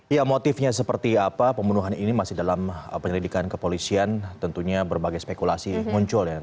ya motifnya seperti apa pembunuhan ini masih dalam penyelidikan kepolisian tentunya berbagai spekulasi muncul ya